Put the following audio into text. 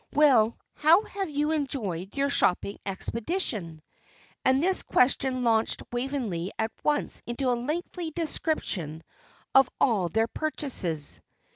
Well, how have you enjoyed your shopping expedition?" And this question launched Waveney at once into a lengthy description of all their purchases.